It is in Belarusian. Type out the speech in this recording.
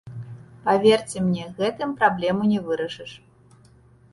Паверце мне, гэтым праблему не вырашыш.